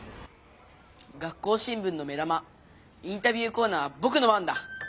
学校新聞の目玉インタビューコーナーはぼくの番だ！